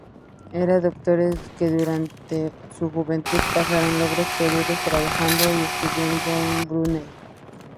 Eran doctores que durante su juventud pasaron largos periodos trabajando y estudiando en Brunei.